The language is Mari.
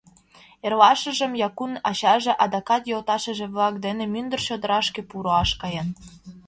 Эрлашыжым Якун ачаже адакат йолташыже-влак дене мӱндыр чодырашке пу руаш каен.